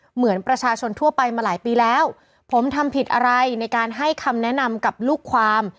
เหมือนประชาชนทั่วไปมาหลายปีแล้วผมทำผิดอะไรในการให้คำแนะนำกับลูกความ